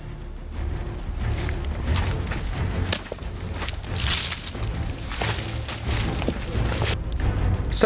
รั้งนี้นะครับ